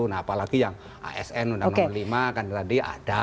nah apalagi yang asn undang undang lima kan tadi ada